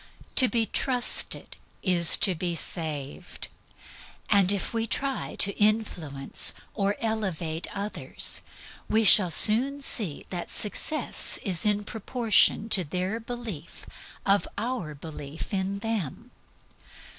To be trusted is to be saved. And if we try to influence or elevate others, we shall soon see that success is in proportion to their belief of our belief in them.